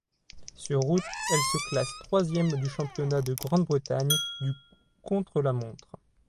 Sur route, elle se classe troisième du championnat de Grande-Bretagne du contre-la-montre.